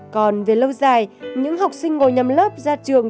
còn về lâu dài những học sinh ngồi nhầm lớp ra trường